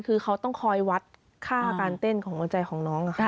คือเขาต้องคอยวัดค่าการเต้นของหัวใจของน้องค่ะ